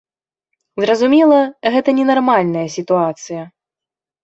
Зразумела, гэта не нармальная сітуацыя.